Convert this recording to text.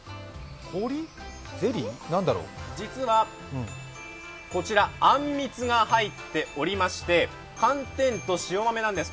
実は、こちらあんみつが入っておりまして寒天と塩豆なんです。